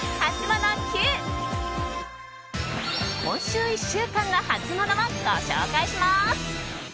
今週１週間のハツモノをご紹介します。